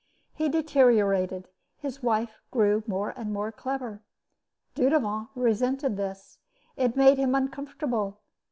He deteriorated; his wife grew more and more clever. Dudevant resented this. It made him uncomfortable.